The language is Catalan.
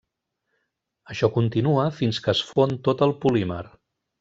Això continua fins que es fon tot el polímer.